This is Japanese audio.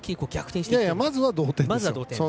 まずは同点です。